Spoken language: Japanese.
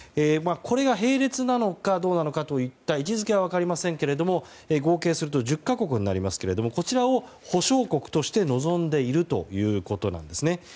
これが並列なのかどうなのかといった位置づけは分かりませんけれども合計すると１０か国になりますけれどもこちらを保証国として望んでいるということなんです。